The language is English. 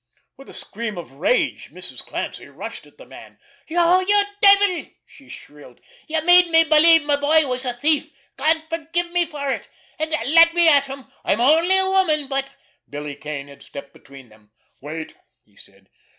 _ With a scream of rage, Mrs. Clancy rushed at the man. "You—you devil!" she shrilled. "You made me believe my boy was a thief—God forgive me for it! And—ah, let me at him! I'm only a woman, but——" Billy Kane had stepped between them. "Wait!" he said.